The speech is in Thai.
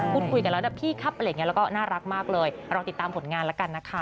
พูดคุยกันแล้วนะพี่ครับอะไรอย่างนี้แล้วก็น่ารักมากเลยเราติดตามผลงานแล้วกันนะคะ